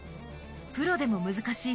プロでも難しい